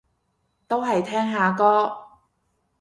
都係聽下歌